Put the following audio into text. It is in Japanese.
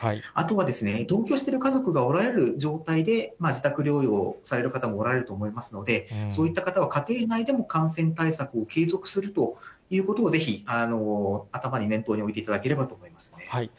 あとは同居してる家族がおられる状態で、自宅療養される方もおられると思いますので、そういった方は、家庭内でも感染対策、継続するということをぜひ頭に、念頭に置いていただけたらと思いますね。